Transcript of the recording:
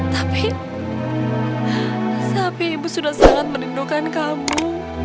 tapi sapi ibu sudah sangat merindukan kamu